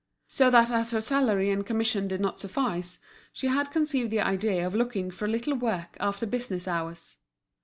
So that as her salary and commission did not suffice, she had conceived the idea of looking for a little work after business hours.